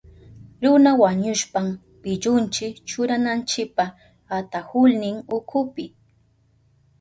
Runa wañushpan pillunchi churananchipa atahulnin ukupi.